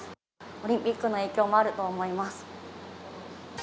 オリンピックの影響もあると思います。